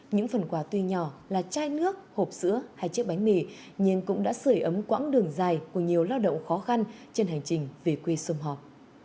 những phần quà tuy nhỏ là chai nước hộp sữa hay chiếc bánh mì nhưng cũng đã sửa ấm quãng đường dài của nhiều lao động khó khăn trên hành trình về quê xung họp